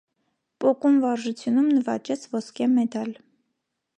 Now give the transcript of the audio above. Պոկում վարժությունում նվաճեց ոսկե մեդալ։